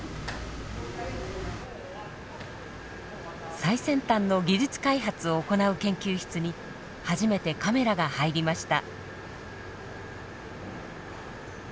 最先端の技術開発を行う研究室に初めてカメラが入りました。